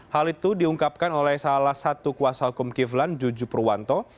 hal itu diungkapkan oleh salah satu kuasa hukum kivlan juju purwanto